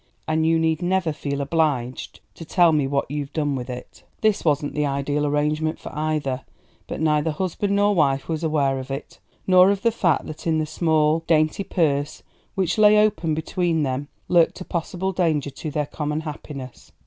And you need never feel obliged to tell me what you've done with it." This wasn't the ideal arrangement for either; but neither husband nor wife was aware of it, nor of the fact that in the small, dainty purse which lay open between them lurked a possible danger to their common happiness.